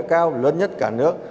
cao lớn nhất cả nước